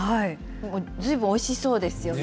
ずいぶんおいしそうですよね。